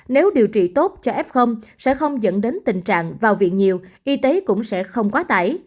nếu điều trị tốt cho f sẽ không dẫn đến tình trạng vào viện nhiều y tế cũng sẽ không quá tải